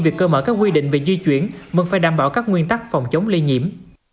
việc cơ mở các quy định về di chuyển vẫn phải đảm bảo các nguyên tắc phòng chống lây nhiễm